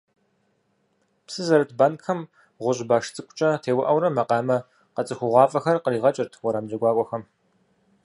Псы зэрыт банкӏхэм гъущӏ баш цӏыкӏукӏэ теуӏэурэ макъамэ къэцӏыхугъуафӏэхэр къригъэкӏырт уэрам джэгуакӏуэм.